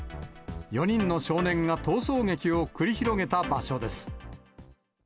４人の少年が逃走劇を繰り広げた場所です。